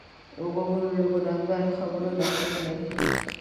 غوږونه له ګناهکارو خبرو نفرت لري